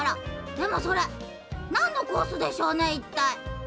でもそれなんのコースでしょうね？